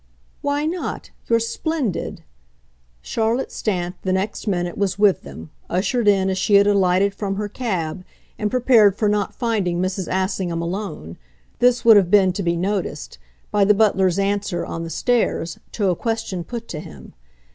"Why not? You're splendid!" Charlotte Stant, the next minute, was with them, ushered in as she had alighted from her cab, and prepared for not finding Mrs. Assingham alone this would have been to be noticed by the butler's answer, on the stairs, to a question put to him.